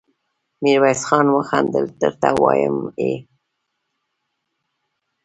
ميرويس خان وخندل: درته وايم يې!